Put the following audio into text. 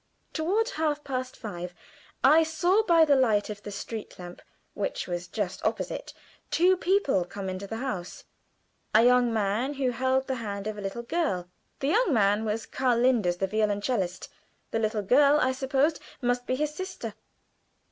Toward half past five I saw by the light of the street lamp, which was just opposite, two people come into the house; a young man who held the hand of a little girl. The young man was Karl Linders, the violoncellist; the little girl, I supposed, must be his sister.